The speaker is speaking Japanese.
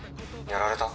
やられた？